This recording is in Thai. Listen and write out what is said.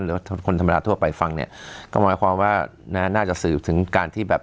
หรือว่าคนธรรมดาทั่วไปฟังเนี้ยก็เมื่อกว่าว่าน่าจะสืบถึงการที่แบบ